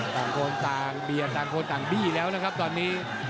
ต่างคนต่างเบียดต่างคนต่างบี้แล้วนะครับตอนนี้